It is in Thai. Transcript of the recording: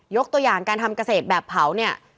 ตัวอย่างการทำเกษตรแบบเผาเนี่ย